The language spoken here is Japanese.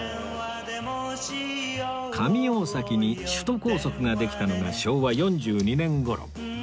上大崎に首都高速ができたのが昭和４２年頃